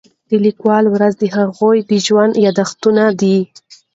د لیکوالو ورځ د هغوی د ژوند یادونه ده.